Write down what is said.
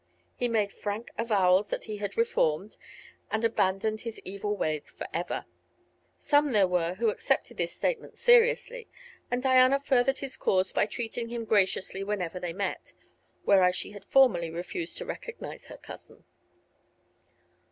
He made frank avowals that he had "reformed" and abandoned his evil ways forever. Some there were who accepted this statement seriously, and Diana furthered his cause by treating him graciously whenever they met, whereas she had formerly refused to recognize her cousin.